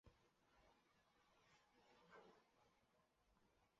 福州苎麻为荨麻科苎麻属下的一个变种。